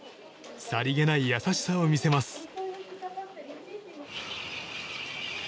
さりげない優しさを見せます。